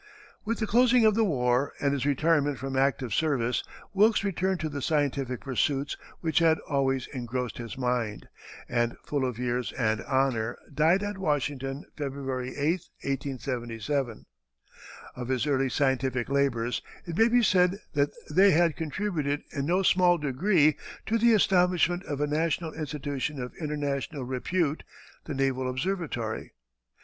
With the closing of the war, and his retirement from active service, Wilkes returned to the scientific pursuits which had always engrossed his mind, and full of years and honor, died at Washington, February 8, 1877. Of his early scientific labors it may be said that they had contributed in no small degree to the establishment of a national institution of international repute, the Naval Observatory.